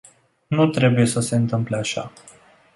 Nu trebuie să se întâmple așa.